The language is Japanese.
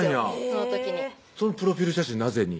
その時にそのプロフィール写真なぜに？